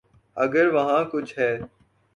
اگر وہاں کچھ ہے۔